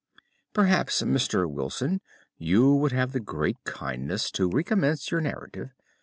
Perhaps, Mr. Wilson, you would have the great kindness to recommence your narrative.